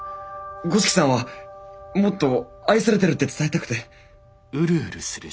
五色さんはもっと愛されてるって伝えたくて。